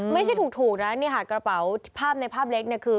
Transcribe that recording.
ไม่ใช่ถูกนะเนี่ยค่ะกระเป๋าภาพในภาพเล็กเนี่ยคือ